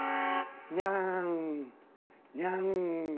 にゃんにゃん。